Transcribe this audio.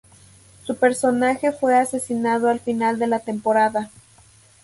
Su personaje fue asesinado al final de la temporada.